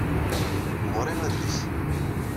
Ɣer-i adlis.